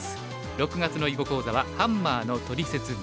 ６月の囲碁講座は「ハンマーのトリセツ③」。